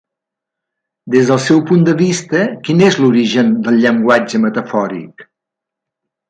Des del seu punt de vista, quin és l’origen del llenguatge metafòric?